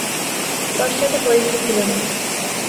পশ্চাতে পরিখা ছিল না।